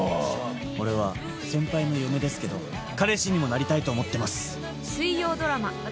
俺は先輩の嫁ですけど彼氏にもなりたいと思ってます。